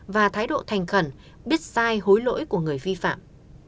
và thái độ thành khẩn biết sai hối lỗi của người vi phạm